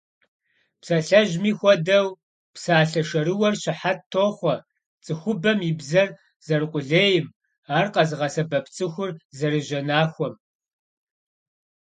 Псалъэжьми хуэдэу, псалъэ шэрыуэр щыхьэт тохъуэ цӀыхубэм и бзэр зэрыкъулейм, ар къэзыгъэсэбэп цӀыхур зэрыжьэнахуэм.